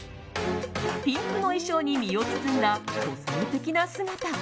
ピンクの衣装に身を包んだ個性的な姿。